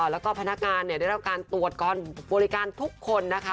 แล้วก็พนักงานได้รับการตรวจก่อนบริการทุกคนนะคะ